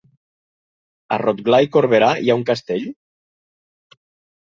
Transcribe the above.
A Rotglà i Corberà hi ha un castell?